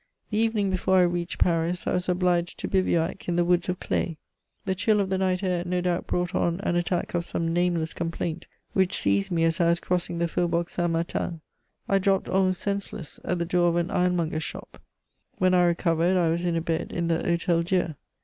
The evening before I reached Paris I was obliged to bivouac in the woods of Claye. The chill of the night air no doubt brought on an attack of some nameless complaint which seized me as I was crossing the Faubourg Saint Martin. I dropped almost senseless at the door of an ironmonger's shop. When I recovered I was in a bed in the Hotel Dieu.